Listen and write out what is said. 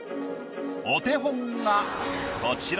お手本がこちら。